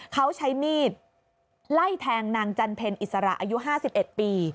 เขาใส่มีดไล่แทงนางจันเพ้นอิศระอายุห้าสิบเอ็ดปี